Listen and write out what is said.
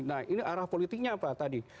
nah ini arah politiknya apa tadi